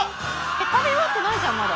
食べ終わってないじゃんまだ。